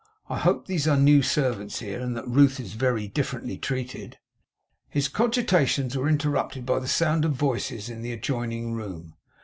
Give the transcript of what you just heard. I hope these are new servants here, and that Ruth is very differently treated.' His cogitations were interrupted by the sound of voices in the adjoining room.